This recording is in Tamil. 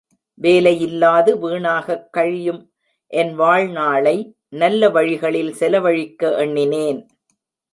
வேலையில்லாது வீணாகக் கழியும் என் வாழ்நாளை நல்ல வழிகளில் செலவழிக்க எண்ணினேன்.